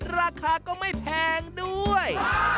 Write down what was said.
ราคาก็ไม่แพงด้วย